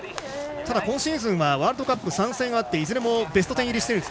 ただ今シーズンはワールドカップ３戦あっていずれもベスト１０入り。